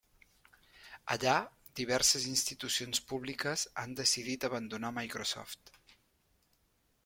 Allà, diverses institucions públiques han decidit abandonar Microsoft.